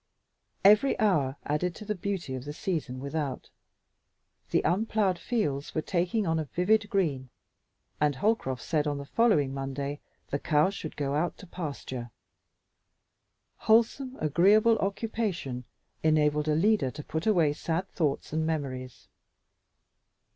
Every hour added to the beauty of the season without. The unplowed fields were taking on a vivid green, and Holcroft said that on the following Monday the cows should go out to pasture. Wholesome, agreeable occupation enabled Alida to put away sad thoughts and memories.